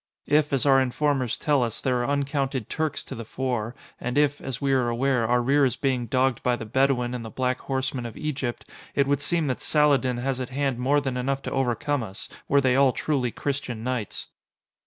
If, as our informers tell us, there are uncounted Turks to the fore, and if, as we are aware, our rear is being dogged by the Bedouin and the black horsemen of Egypt, it would seem that Saladin has at hand more than enough to overcome us, were they all truly Christian knights."